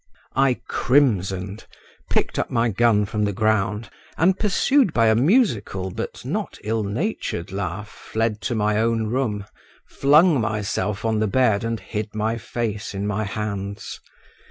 I crimsoned, picked up my gun from the ground, and pursued by a musical but not ill natured laugh, fled to my own room, flung myself on the bed, and hid my face in my hands.